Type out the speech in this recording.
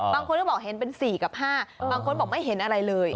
บางคนก็บอกเห็นเป็น๔กับ๕บางคนบอกไม่เห็นอะไรเลย